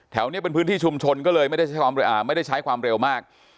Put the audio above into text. แถวเนี้ยเป็นพื้นที่ชุมชนก็เลยไม่ได้ใช้ความอ่าไม่ได้ใช้ความเร็วมาก